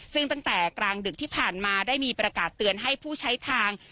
ซึ่งตั้งแต่กลางดึกที่ผ่านมาได้มีประกาศเตือนให้ผู้ใช้ทาง